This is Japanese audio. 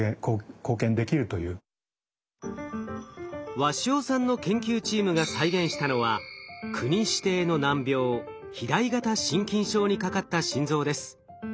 鷲尾さんの研究チームが再現したのは国指定の難病肥大型心筋症にかかった心臓です。